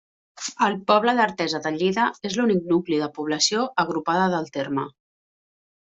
El poble d'Artesa de Lleida és l'únic nucli de població agrupada del terme.